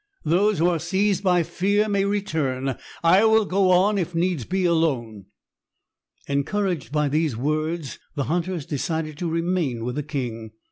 "Those who are seized by fear may return. I will go on, if needs be, alone." Encouraged by these words, the hunters decided to remain with the king.